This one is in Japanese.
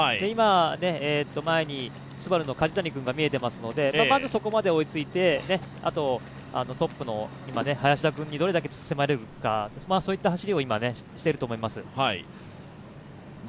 今、前にＳＵＢＡＲＵの梶谷君が見えていますので、まずそこまで追いついて、トップの林田君にどれだけ迫れるかといった走りを今、していると思います。